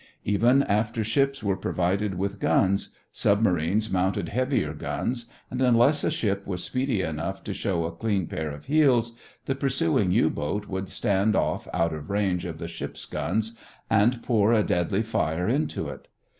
Even after ships were provided with guns, submarines mounted heavier guns and unless a ship was speedy enough to show a clean pair of heels, the pursuing U boat would stand off out of range of the ship's guns and pour a deadly fire into it.